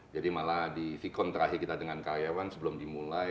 malah di vkon terakhir kita dengan karyawan sebelum dimulai